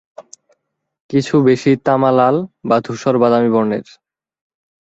কিছু বেশি তামা-লাল বা ধূসর-বাদামী বর্ণের।